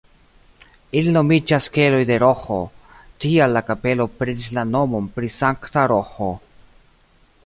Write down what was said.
Ili nomiĝas keloj de Roĥo, tial la kapelo prenis la nomon pri Sankta Roĥo.